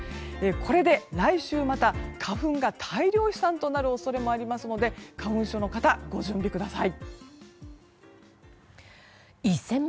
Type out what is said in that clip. これで来週また花粉が大量飛散となる恐れがありますので花粉症の方、ご準備ください。